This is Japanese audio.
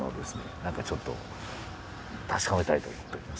何かちょっと確かめたいと思っておりますけれども。